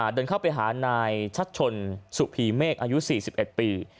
เดินเข้าไปหานายชัดชนสุพีเมฆอายุ๔๑ปี